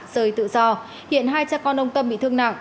rời tự do hiện hai cha con ông tâm bị thương nặng